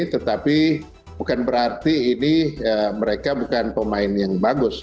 tetapi bukan berarti ini mereka bukan pemain yang bagus